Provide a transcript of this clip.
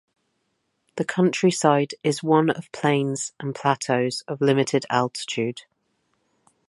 The countryside is one of plains and plateaux of limited altitude.